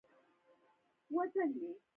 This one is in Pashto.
خو د سیند بلې غاړې ته وضعیت بل ډول و